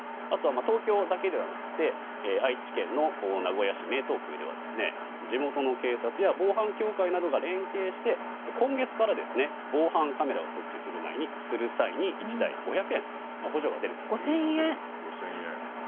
東京だけではなくて愛知県の名古屋市名東区では地元の警察や防犯協会などが連携して今月から防犯カメラを設置する際に１台５００円補助が出るということです。